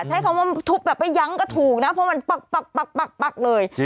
ใช้คำว่าทุบแบบไม่ยั้งก็ถูกนะเพราะมันปักเลย